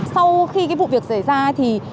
sau khi cái vụ việc xảy ra thì